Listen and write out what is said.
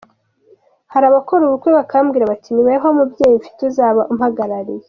Hari abakora ubukwe bakambwira bati ‘ni weho mubyeyi mfite uzaba umpagarariye.